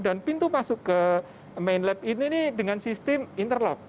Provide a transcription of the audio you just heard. dan pintu masuk ke main lab ini dengan sistem interlock